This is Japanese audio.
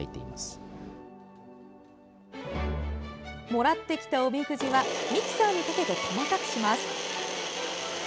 もらってきたおみくじはミキサーにかけて細かくします。